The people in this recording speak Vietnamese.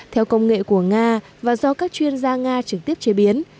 theo công nghệ của nga và do các chuyên gia nga trực tiếp chế biến